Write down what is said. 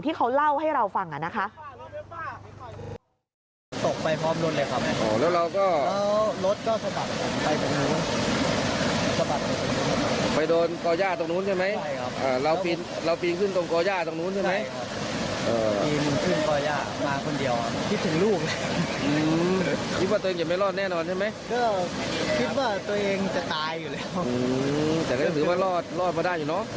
ที่เขาเล่าให้เราฟังนะคะ